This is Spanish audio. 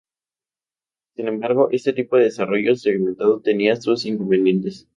Sin embargo, este tipo de desarrollo segmentado tenía sus inconvenientes.